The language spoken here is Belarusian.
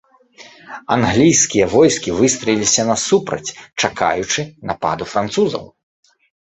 Англійскія войскі выстраіліся насупраць, чакаючы нападу французаў.